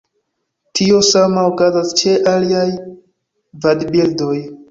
Tio sama okazas ĉe aliaj vadbirdoj.